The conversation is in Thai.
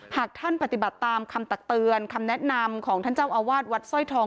หากท่านปฏิบัติตามคำตักเตือนคำแนะนำของท่านเจ้าอาวาสวัดสร้อยทอง